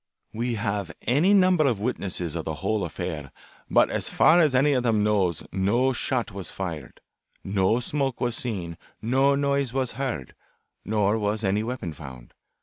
We have any number of witnesses of the whole affair, but as far as any of them knows no shot was fired, no smoke was seen, no noise was heard, nor was any weapon found.